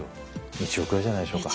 １億円じゃないでしょうか。